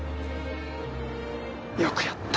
よくやった。